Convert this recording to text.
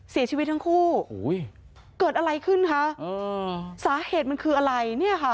เสียชีวิตทั้งคู่เกิดอะไรขึ้นคะสาเหตุมันคืออะไรเนี่ยค่ะ